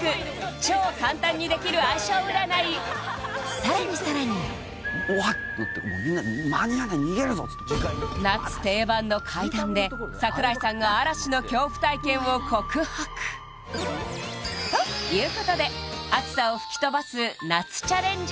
超簡単にできる相性占いさらにさらにうわってなってみんな夏定番の怪談で櫻井さんが嵐の恐怖体験を告白ということで暑さを吹き飛ばす夏チャレンジ